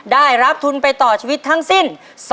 ได้รับทุนไปต่อชีวิตทั้งสิ้น